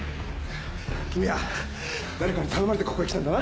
君は誰かに頼まれてここへ来たんだな？